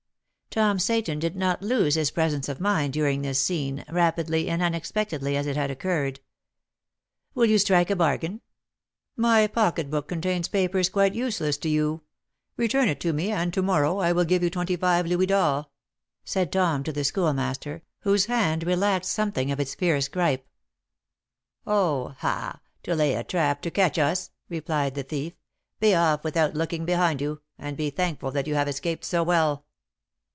Tom Seyton did not lose his presence of mind during this scene, rapidly and unexpectedly as it had occurred. "Will you strike a bargain? My pocketbook contains papers quite useless to you; return it to me, and to morrow I will give you twenty five louis d'ors," said Tom to the Schoolmaster, whose hand relaxed something of its fierce gripe. "Oh! ah! to lay a trap to catch us," replied the thief. "Be off, without looking behind you, and be thankful that you have escaped so well."